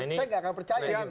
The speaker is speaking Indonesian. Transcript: saya tidak akan percaya